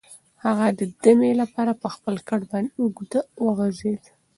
هغه د دمې لپاره په خپل کټ باندې اوږد وغځېد.